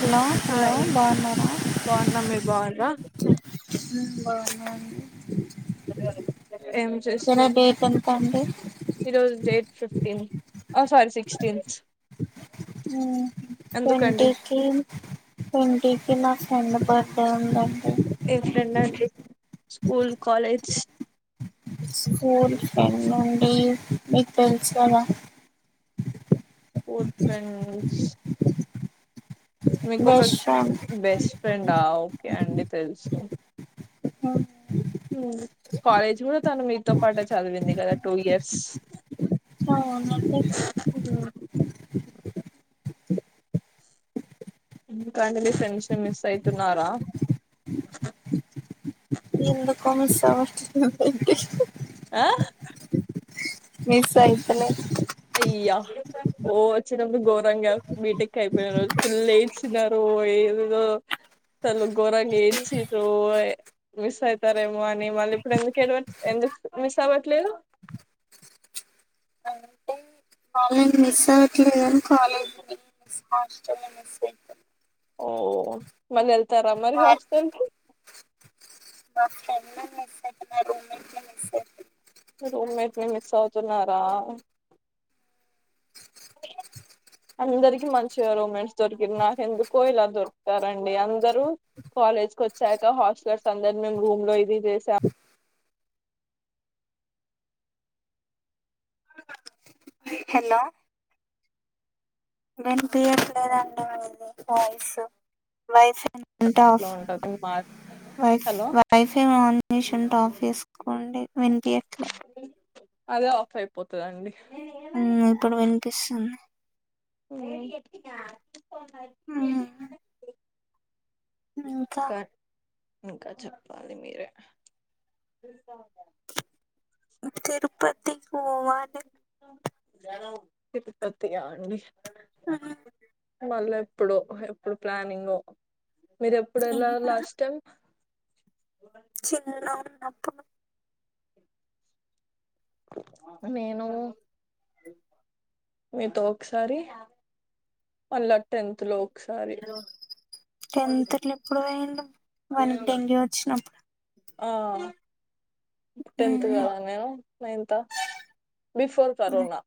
Hello hello hi బాగున్నారా బాగున్నా మీరు బాగున్నరా మ్ బాగున్నాం అండి ఏం ఈ చేస్తు రోజు డేట్ ఎంత అండి ఈరోజు డేట్ ఫిఫ్టీన్ ఓ సారీ సిక్స్టీన్త్ మ్ ఎందుకండి ట్టోటికీ ట్టొటికి నా ఫ్రెండ్ బర్త్డే ఉందండి ఎ ఫర్డ్ అండి స్కూల్ కాలేజ్ స్కూల్ ఫెర్నాడిీస్ మీ తెలుచల [unintelligible] స్కూల్ ఫ్రండ్ మీకు ఒక బెస్ట్ ఫ్రెండ్ బెస్ట్ ఫ్రెండా ఓకే అండి తెలుసు ఆ ఉం కాలేజ్ కూడా తను మీతో పాటు చదివింది కదా టూ ఇయర్స్ అవునండి అ [inaudible] ఇంకా అండి మీ ఫ్రెండ్స్ ని మిస్ అయితున్నారా ఎందుకో మమ [unintelligible] ఆ మిస్ అయితలే అయ్యా ఓ వచ్చినప్పుడు ఘోరంగా బీటిెక్ అయిపోయిన రోజు ఫుల్ ఎయి చిినారు ఏో సల [unintelligible] గోరంగా ఎచ్చ్రు మిస్ అయితారేమో అని మళ్ళీ ఇప్పుడు ఎందుకు ఎడవ ఎందుకు మిస్ అవ్వట్లేదు [unintelligible] వాళ్ళని మిస్ అవ్వట్లేదు కాలేజీ మిస్ హాస్టల్ మిస్ అ ఓ మళ్ళీ వెళ్తారా మరి హాస్టల్ కి బన్న [unintelligible] రూమ్మేట్ ని మిస్ అవుతున్నారా అందరికి మంచిగా రోమెంట్స్ దొరికింది నాకు ఎందుకో ఇలా దొరుకుతారండి అందరూ కాలేజ్ కు వచ్చాక హాస్టలర్స్ అందరు మేము రూమ్ లో ఇది చేసాం హలో ఎన్పిఎఫలే రండ మంది బయిస్ [unintelligible] వైఫై లో ఉంటది మా హలో ఆషన్ టఫ్ చే [unintelligible] కుండే వినిపియట్లే అదే ఆఫ్ అయిపోతదండి ఉం ఇప్పుడు వినిపిస్తుంది ఉం ఇంకా ఇంకా చెప్పాలి మీరే తిరుపతికి పోవాలె తిరుపతి కా అండి ఆ మళ్ళా ఎప్పుడు ఎప్పుడు ప్లానింగ్ మీరు ఎప్పుడు వెళ్ళ లాస్ట్ టైం చి [unintelligible] ఉన్నప్పుడు నేను మీతో ఒకసారి మల్ల టెన్త్ లో ఒకసారి టెంతర్లు ఎప్పుడు వేయండి వెనకి డెంగ్యూ వచ్చినప్పుడు [unintelligible] ఆ టెన్త్ ఉమ్ కదా నేను నైన్త బిఫోర్ కరోనా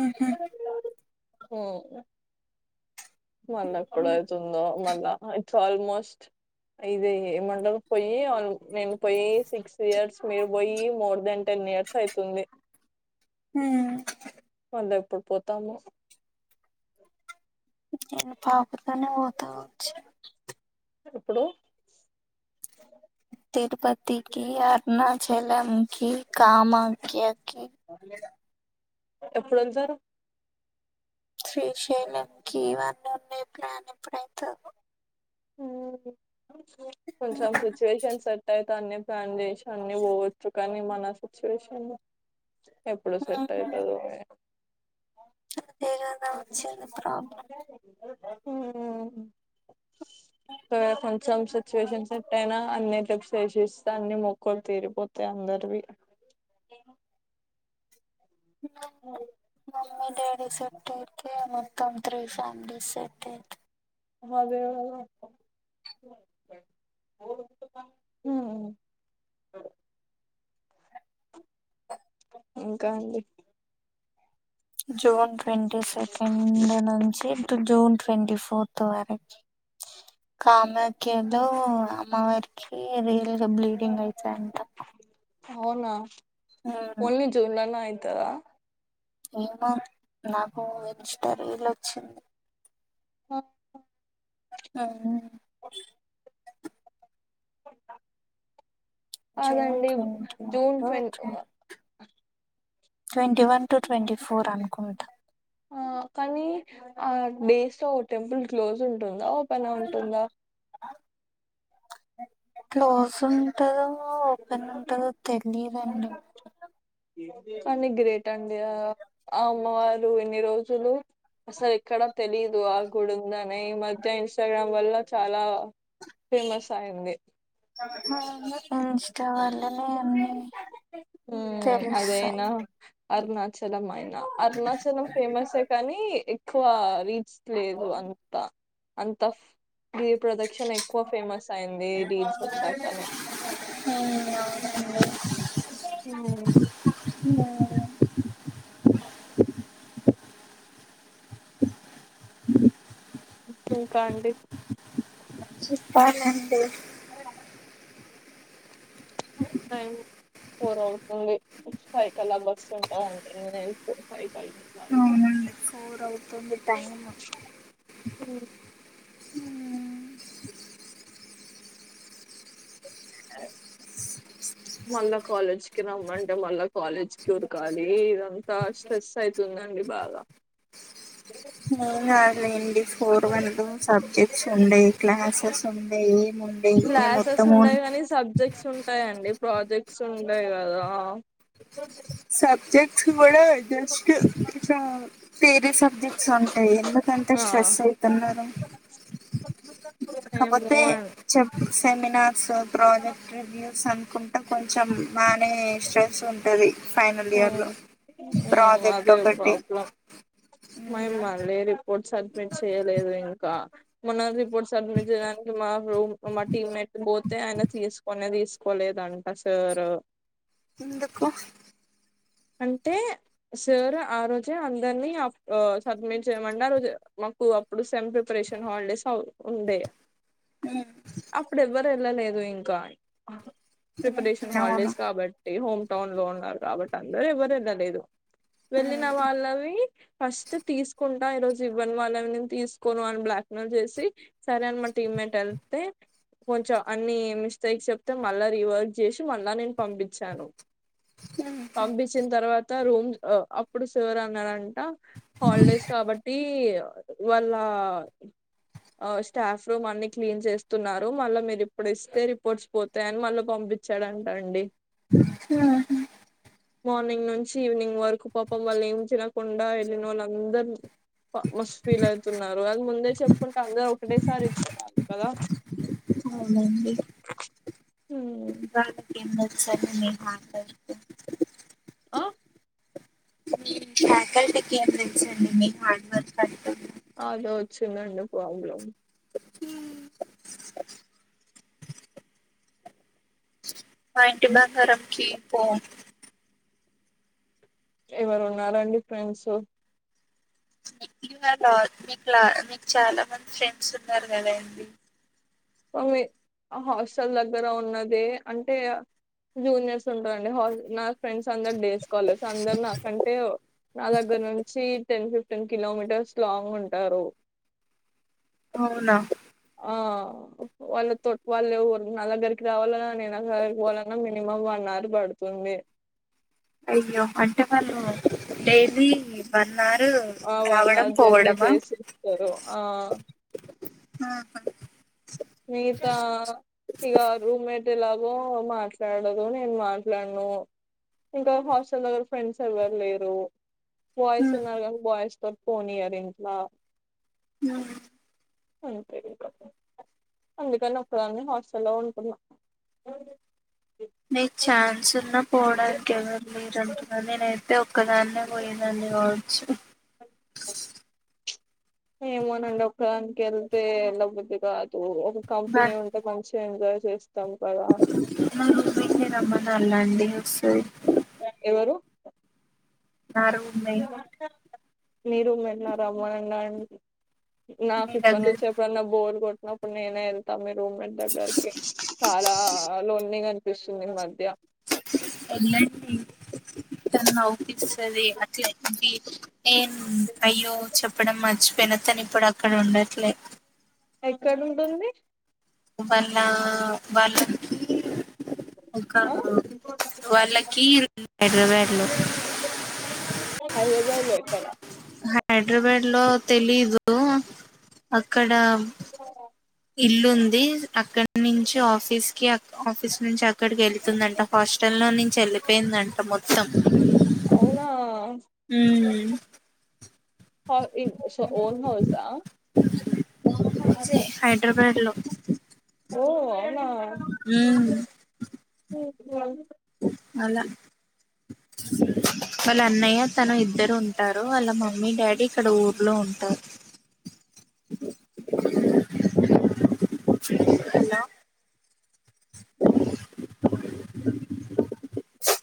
ఆహా ఓ మల్ల కుడతు ఉంద మల్ [unintelligible] ఆల్మోస్ట్ ఇది ఏమంటరు పోయి ఆ నేను పోయి సిక్స్ ఇయర్స్ మీరు పోయి మోర్ దన్ టెన్ ఇయర్స్ అయితుంది హ మల్ల ఎప్పుడు పోతామో నేను పాపతోనే పోతా వచ్చ ఎప్పుడు తిరుపతికి అరుణాచలంకి కామాఖ ఎప్పుడొచ్చారు శ్రీశైలంకి ఇవన్నీ ఉండే ప్లాన్ ఎప్పుడైతుంది ఉహు కొంచెం సిచ్యువేషన్ సెట్ అయితాన్ని ప్లాన్ చేసి అన్ని పోవచ్చు కానీ మన సిచ్యువేషన్ ఎప్పుడు సెట్ అవుతదో వేగంగా వచ్చింది ప్రాబ్లం ఉమ్ ఇగ కొంచెం సిచ్యువేషన్ సెట్ అయినా అన్ని శేషిస్తేన్ని మొక్కలు తీరిపోతాయి అందరివి మమ్మీ డాడీ ఎత్తైతే మ కన్ త్రి ఫ్యామిలీస్సెటైతే ఉమ్ ఇంక అండి జూన్ ట్వంటీ సెకండ్ నుంచిటు జూన్ ట్వంటీ ఫోర్త్ తో అరకి కామకిదు అమ్మవరికి రియల్ గా బ్లీడింగ్ అయితాయింట అవునా ఓన్లీ జూన్లనా అయితర ఏమో నాకు ఇస్ట రీలోచ్చింది ఉమ్ ఉహు జూన్ కాదండి twenty June twenty twenty one to twenty four అనుకుంటా ఆ కానీ ఆ డేస్ లోఓ టెంపుల్ క్లోజ్ ఉంటుందా ఓపెన్ ఉంటుందా క్లోజ్ ఉంటదో ఓపెన్ ఉంటదో తెలిదండి కానీ గ్రేట్ అండి ఆ అమ్మవారు ఎన్ని రోజులు అసలు ఇక్కడ తెలీదు ఆ గుడుందనే ఈ మధ్య ఇన్స్టాగ్రామ్ వల్ల చాలా ఫేమస్ అయింది ఇన్స్టా వల్లనే అన్ని ఉమ్ తెలుస్తాయి అదేనా అరుణాచలం అయిన అరుణాచలం ఫేమస్ ఏ కానీ ఎక్కువ రీచ్ లేదు అంత అంత గిరి ప్రదక్షన్ ఎక్కువ ఫేమస్ అయింది రీల్స్ వచ్చనాకనే ఉమ్ అ ఇంకా అండి చెప్పాలాంటి టైం ఫోర్ అవుతుంది ఫైవ్ కలాక్ బస్ ఉంటాందిండి నేను కో పై ఫై అవునండి ఫోర్ అవుతుంది టైం ఉమ్ మళ్ళా కాలేజ్ కి రమ్మంటే మళ్ళా కాలేజ్ కి ఉరకాలి ఇదంతా స్ట్రెస్ అయిత్ తుందండి బాగా అవున ఆలేండి ఫర్ వనలు సబ్జెక్ట్స్ ఉండయి క్లాసెస్ ఉండే ఏం ఉండే ఈ క్లాసెస్ మొత్తము ఉండయి కానీ సబ్జెక్ట్స్ ఉం ంటయండి ప్రాజెక్ట్స్ ఉంటయి కదా సబ్జెక్ట్స్ కూడా జస్ట్ వేరే సబ్జెక్ట్స్ ఉంటయి ఎందుకంత ఆ స్ట్రెస్ అవుతున్నరు ఏమో అం చెప్ సెమినార్స్ ప్రాజెక్ట్ న్యూస్ అనుకుంటే కొంచెం మానే స్ట్రెస్ ఉంటది ఫైనల్ ఇయర్ లో ఉమ్, ఉమ్, ప్రాజెక్ట్ అదే ఒకటి ప్రాబ్లం మేము మళ్ళీ రిపోర్ట్ సడ్మిట్ చేయలేదు ఇంకా మొనం రిపోర్ట్ సబ్మిట్ చేయడానికి మా రూమ్ మా టీమ్ట్ పోతే ఆయన తీసు కొన్ని తీసుకోలేదంట సార్ ఎందుకు అంటే సార్ ఆ రోజే అందరినీ ఆఫ్ సడ్మీట్ చేయమండు ఆ రోజు అప్పుడు సెమ్ ప్రిపరేషన్ హాలిడేస్ అవ్ ఉండే ఉ అప్పుడు ఎవ్వరు వెళ్ళలేదు ఇంకా ఉమ్, ప్రిపరేషన్ అవును హాలిడేస్ కాబట్టి ఏ హోమ్ టౌన్ లో ఉన్నరు కాబట్టి అందరుూ ఎవరు ఎల్ల లేదు వెళ్ళిన ఉమ్, వాళ్ళవి ఫస్ట్ తీసుకుం ఈ రోజు ఇవ్వని వాళ్ళవి నేను తీసుకోను అని బ్లాక్మెయిల్ చేసి సరే అని మా టీమ్మేట్ వెళ్తే కొంచెం అన్ని మిస్టేక్ చెప్తే మళ్ళా రీవర్క్ చేసి మళ్ళా నేను పంపించాను ఉమ్, పంపించిన తర్వాత రూమ్ అ అప్పుడు సార్ అన్నారంట హాలిడేస్ కాబట్టి వాళ్ళ ఆ స్టాఫ్ రూమ్ అన్ని క్లీన్ చేస్తున్నారు మళ్ళా మీరు ఇప్పుడు ఇస్తే రిపోర్ట్స్ పోతు తయ్ అని మళ్ళ పంపించాడంటా అండి హు మార్నింగ్ నుంచి ఈవినింగ్ వరకు పాపం వాళ్ళు ఏం తినకుండా వెళ్ళిన వాళ్ళ అందరు మస్ ఫీల్ అవుతున్నారు అది ముందే చెప్పుంటే అందరు ఒకటేసారి ఇచ్చే వాళ్ళు కదా అవునండి హు దానికే మ్ తెలుస్సార్ మీ కాన్ పనీ ఆ ఫ్యాకల్టీకిి ఏం తెల్సండి మీ హార్డ్ వర్క్ అతు అదే వచ్చిందండి ప్రాబ్లం హ మా యింటి బంగారం కి పోమ్ ఎవరు ఉన్నారండి ఫ్రెండ్స్ లా మీకు లా మీకు చాలా మంది ఫ్రెండ్స్ ఉన్నారు కదా అండి మీ ఆ హాస్టల్ దగ్గర ఉన్నది అంటే జూనియర్స్ ఉంటరండి నా ఫ్రెండ్స్ అందరు డేస్ కలార్స్ ఏ అందరు నాకంటే నా దగ్గర నుంచి టెన్ ఫిఫ్టీన్ కిలోమీటర్స్ లాంగ్ ఉంటరు అవునా ఆ వాళ్ళ తొట్ వాళ్ళు నా దగ్గరికి రావాలన్న నేన్ ఆళ్ళ దగ్గరికి పోవాలన్నా మినిమం వన్ అవర్ పడుతుంది అయ్యో అంటే మరీ నువ్వు డైలీ వన్ అవర్ ఆ వన్ రావడం అవర్ జర్నీ పోవడమా చేసి ఇస్తారు ఆ ఆహా నీతా ఇగా రూమ్మేట్ ఎలాగో మాట్లాడదు నేను మాట్లాడను ఇంకా హాస్టల్ దగ్గ ఫ్రెండ్స్ ఎవరు లేరు బాయిస్ ఉమ్. ఉన్నారు కనీ బాయిస్ త ఫోన్ ఇయర్ ఇంట్లో ఉ అంతే అందుకని ఒకదాన్ని హాస్టల్లో ఉంటున్నా నీ ఛాన్స్ ఉన్నా పోవడానికి ఎవరు లేరు అంటున్నారు నేను అే ఒక్కదాన్నే పోయేదాన్ని కావచ్చు ఏమోనండి ఒక్కడానికి వెళ్తే వేళ్లబద్ది కాదు ఒక బా కంపెనీ ఉ ఫంక్షన్ ఎంజాయ్ చేస్తాం కదా నా రమ్మను అల్లా అండి వొస్తది ఎవరు నా రూమ్మేట్ మీరు ఏమన్న రామన్నంగానే నాకు మీ ఇప్పటి దగ్గర నుంచి ఎప్పుడన్నా బోర్ కొట్టినప్పుడు నేనే వె మీ రూమ్మేట్ దగ్గరకి చాలా అలోన్గా అనిపిస్తుంది ఈ మధ్య [unintelligible] ఏ అయ్యో చెప్పడం మర్చిపోయిన నతని ఇప్పుడు అక్కడ ఉండట్లేదు ఎక్కడ ఉంటుంది వాళ్ళా వాళ్ళ ఒకా ఆ వాళ్ళకి ఇ హైడ్రాబాడ్ హైదరాబాద్ లోక్కడ హైదరాబాద్ లో తెలీదు అక్కడ ఇల్లుంది అక్కడి నుంచి ఆఫీస్ కి ఆఫీస్ నుంచి అ ఇక్కడికి వెళ్తుందంట హాస్టల్ లో నుంచి వెళ్లిపోయిందంట మొత్తం ఆ ఉమ్ ఆ ఇ ఓన్ హౌస్ా హైదరాబాద్ లో ఓ అవునా హ అలా [inaudible] వాళ్ళ అన్నయ్య తన ఇద్దరు ఉంటారు వాళ్ళ మమ్మీ డాడీ ఇక్కడ ఊర్లో ఉంటారు [inaudible]